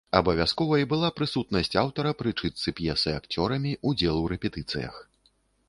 Абавязковай была прысутнасць аўтара пры чытцы п'есы акцёрамі, удзел у рэпетыцыях.